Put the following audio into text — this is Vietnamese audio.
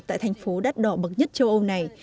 tại thành phố đắt đỏ bậc nhất châu âu này